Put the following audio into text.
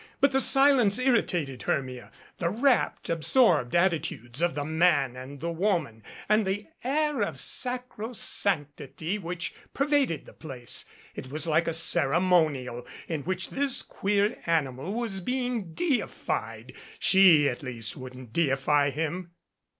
But the silence irritated Hermia the wrapt, absorbed attitudes of the man and the woman and the air of sacro sanctity which pervaded the place. It was like a ceremonial in which this queer animal was being deified. She, at least, wouldn't deify him.